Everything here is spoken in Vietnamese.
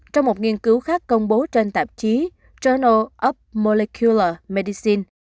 trong một nghiên cứu khác công bố trên tạp chí journal of molecular medicine